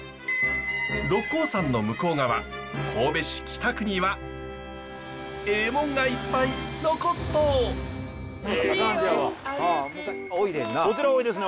六甲山の向こう側神戸市北区にはえぇモンがいっぱい残っとお！